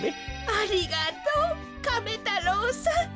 ありがとうカメ太郎さん！